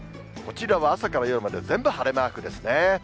こちらは朝から夜まで全部晴れマークですね。